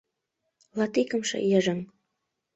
Латикымше йыжыҥ